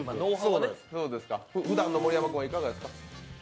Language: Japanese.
ふだんの盛山君はいかがですか。